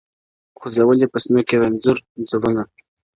• خو ځول یې په سینو کي رنځور زړونه -